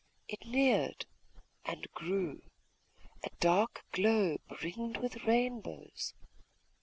It neared and grew.... A dark globe, ringed with rainbows....